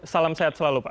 salam sehat selalu pak